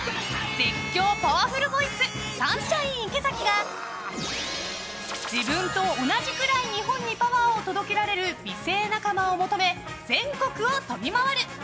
絶叫パワフルボイスサンシャイン池崎が自分と同じくらい日本にパワーを届けられる美声仲間を求め全国を飛び回る。